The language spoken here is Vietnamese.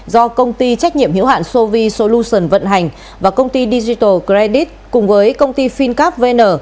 do công ty trách nhiệm hiệu hạn sovi solution vận hành và công ty digital credit cùng với công ty fincap vn